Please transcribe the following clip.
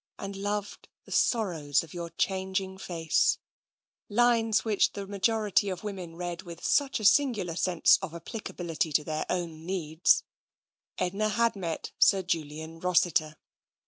And loved the sorrows in your changing face »— lines which the majority of women read with such a singular sense of applicability to their own needs — Edna had met Sir Julian Rossiter.